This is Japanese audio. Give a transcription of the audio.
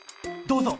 どうぞ。